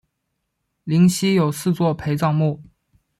灵犀有四座陪葬墓。